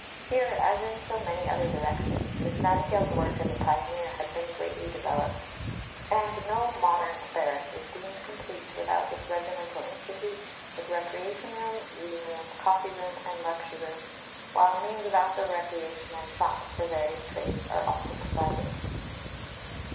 Here, as in so many other directions, Miss Nightingale's work as a pioneer has been greatly developed; and no modern barrack is deemed complete without its regimental institute, with recreation room, reading room, coffee room, and lecture room, while means of out door recreation and shops for various trades are also provided.